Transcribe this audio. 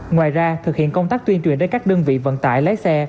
ngoài ra thực hiện công tác tuyên truyền đến các đơn vị vận tải lái xe